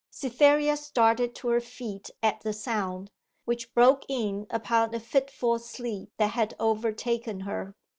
Cytherea started to her feet at the sound, which broke in upon a fitful sleep that had overtaken her.